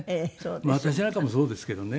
私なんかもそうですけどね。